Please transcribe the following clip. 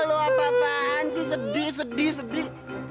lo apa apaan sih sedih sedih sedih